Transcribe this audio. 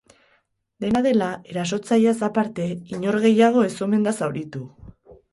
Dena dela, erasotzaileaz aparte, inor gehiago ez omen da zauritu.